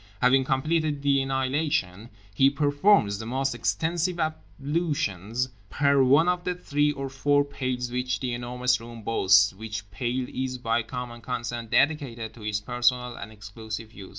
Having completed the annihilation, he performs the most extensive ablutions per one of the three or four pails which The Enormous Room boasts, which pail is by common consent dedicated to his personal and exclusive use.